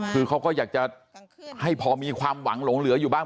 คือเขาก็อยากจะให้พอมีความหวังหลงเหลืออยู่บ้าง